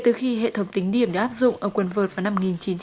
từ khi hệ thống tính điểm đã áp dụng ở quần vượt vào năm hai nghìn một mươi chín